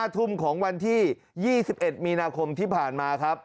ทุ่มของวันที่๒๑มีนาคมที่ผ่านมาครับ